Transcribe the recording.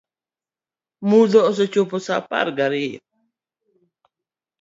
Mudho osechopo saa apar ga riyo